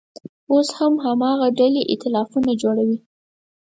اوس هم هماغه ډلې اییتلافونه جوړوي.